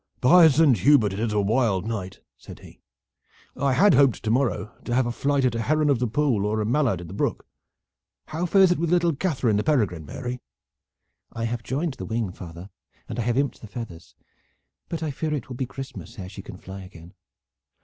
"By Saint Hubert, it is a wild night!" said he. "I had hoped to morrow to have a flight at a heron of the pool or a mallard in the brook. How fares it with little Katherine the peregrine, Mary?" "I have joined the wing, father, and I have imped the feathers; but I fear it will be Christmas ere she can fly again."